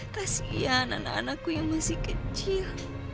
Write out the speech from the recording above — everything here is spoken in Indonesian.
kasian anak anakku yang masih kecil